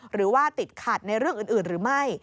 หรือว่าติดขัดในเรื่องอื่นหรือไม่